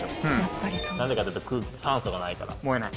なぜかというと酸素がないから。